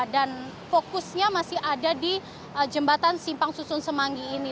dan fokusnya masih ada di jembatan simpang susun semanggi ini